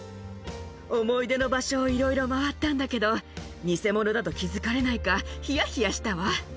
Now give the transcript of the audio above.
思い出の場所をいろいろ回ったんだけど、偽者だと気付かれないか、ひやひやしたわ。